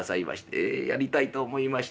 「ええやりたいと思いましてな。